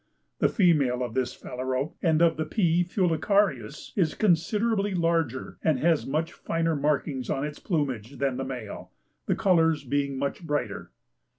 The female of this phalarope and of the P. fulicarius is considerably larger, and has much finer markings on its plumage, than the male, the colours being much brighter.